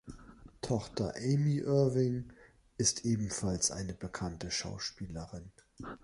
Tochter Amy Irving ist ebenfalls eine bekannte Schauspielerin.